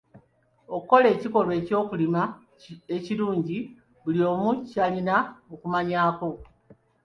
Okukoola kikolwa ky'okulima ekirungi buli omu kyalina okumanyaako.